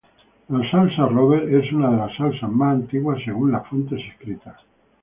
La salsa Robert es una de las salsa más antiguas según las fuentes escritas.